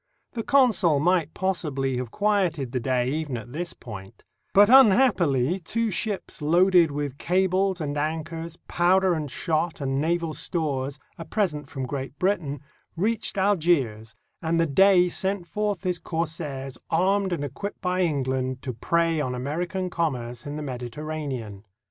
The consul might possibly have quieted the Dey even on this point; but, unhappily, two ships loaded with cables and anchors, powder and shot, and naval stores, a present from Great Britain, reached Algiers, and the Dey sent forth his corsairs, armed and equipped by England, to prey on American commerce in the Mediterranean.